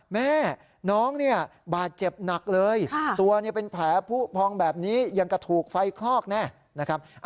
แม่น้องเนี่ยบาดเจ็บหนักเลยตัวเป็นแผลผู้พองแบบนี้ยังกระถูกไฟคลอกแน่นะครับ